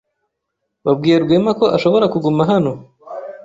Wabwiye Rwema ko ashobora kuguma hano?